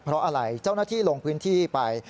เพราะอะไรเจ้าหน้าที่ลงพื้นที่ไป